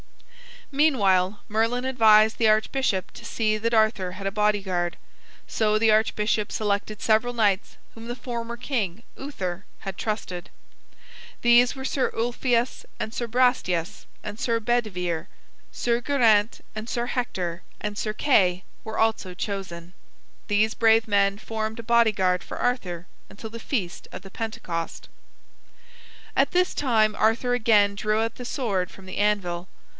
Meanwhile, Merlin advised the archbishop to see that Arthur had a bodyguard. So the archbishop selected several knights whom the former king, Uther, had trusted. These were Sir Ulfius and Sir Brastias and Sir Bedivere; Sir Geraint and Sir Hector and Sir Kay were also chosen. These brave men formed a bodyguard for Arthur until the feast of the Pentecost. At this time Arthur again drew out the sword from the anvil.